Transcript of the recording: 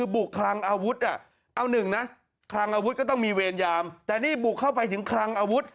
บุกครังอาวุธเอาหนึ่งต้องมีเวญยามแต่นี่บุกเข้าไปถึงครังอาวุธ